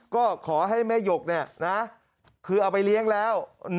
ก็ขอให้แม่หยกคือเอาไปเลี้ยงแล้ว